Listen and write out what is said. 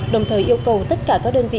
đồng thời yêu cầu tất cả các đơn vị